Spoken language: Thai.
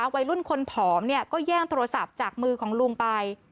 วัยรุ่นคนผอมก็แย่งโทรศัพท์จากมือของลุงไป